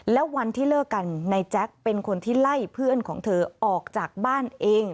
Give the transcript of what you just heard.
และวันที่เลิกกันนายแจ๊คเป็นคนที่ไล่เพื่อนของเธอออกจากบ้านเอง